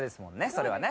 それはね